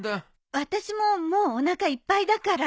私ももうおなかいっぱいだから。